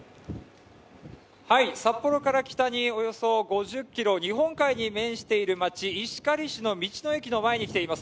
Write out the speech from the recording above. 札幌から北におよそ５０ｋｍ、日本海に面している町、石狩市の道の駅の前に来ています。